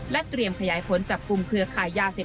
และเตรียมขยายผลจากปุ่มเครือข่ายยาเสพติด